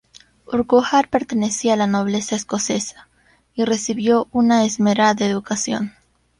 Urquhart pertenecía a la nobleza escocesa, y recibió una esmerada educación.